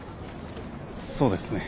そうですね。